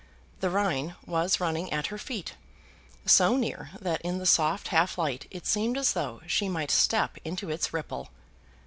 The Rhine was running at her feet, so near, that in the soft half light it seemed as though she might step into its ripple.